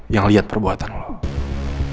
yang lihat perbuatan lo